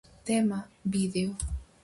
Tema: Vídeo.